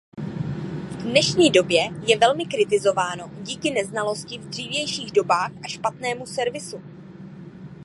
V dnešní době je velmi kritizováno díky neznalosti v dřívějších dobách a špatnému servisu.